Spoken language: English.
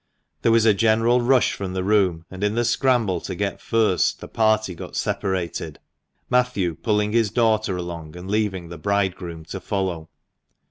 There was a general rush from the room, and in the scramble to get first the party got separated; Matthew pulling his daughter along and leaving the bridegroom to follow.